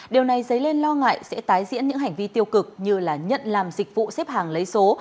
điều này dấy lên lo ngại sẽ tái diễn những hành vi tiêu cực như là nhận làm dịch vụ xếp hàng lấy số